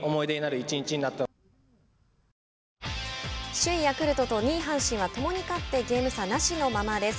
首位ヤクルトと２位阪神はともに勝ってゲーム差なしのままです。